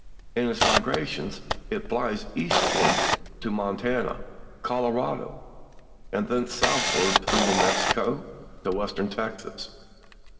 In its migrations it flies eastward to Montana, Colorado and thence southward through New Mexico to Western Texas.